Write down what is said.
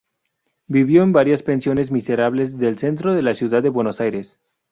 Vivió en varias pensiones miserables del centro de la ciudad de Buenos Aires.